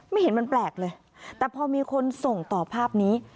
เห็นมันแปลกเลยแต่พอมีคนส่งต่อภาพนี้